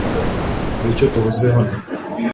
Hari icyo tubuze hano .